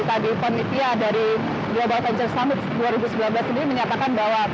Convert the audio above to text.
tadi penitia dari global venture summits dua ribu sembilan belas sendiri menyatakan bahwa